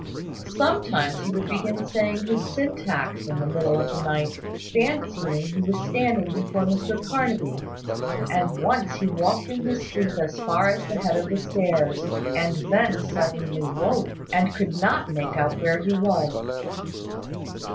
Sometimes he would begin saying his syntax in the middle of the night, fancying he was standing before Mr Carnaby; and once he walked in his sleep as far as the head of the stairs, and then suddenly woke, and could not make out where he was.